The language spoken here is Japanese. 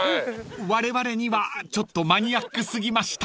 ［われわれにはちょっとマニアック過ぎました］